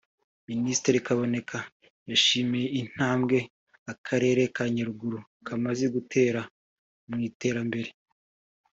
Minisitiri kaboneka yashimye intambwe akarere ka Nyaruguru kamaze gutera mu iterambere